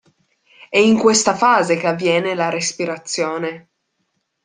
È in questa fase che avviene la respirazione.